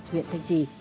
huyện thanh trì